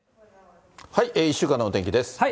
１週間のお天気です。